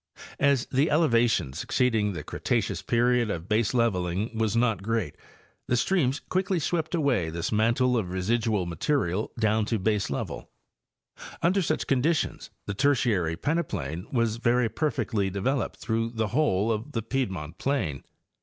As the elevation succeeding the Cretaceous — period of baseleveling was not great, the streams quickly swept away this mantle of residual material down to baselevele Under such conditions the Tertiary peneplain was very perfectly devel oped throughout the whole of the piedmont plain.